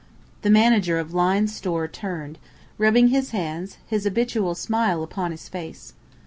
The manager of Lyne's Store turned, rubbing his hands, his habitual smile upon his face.